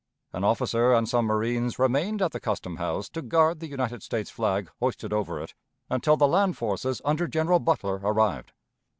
An officer and some marines remained at the Custom House to guard the United States flag hoisted over it until the land forces under General Butler arrived.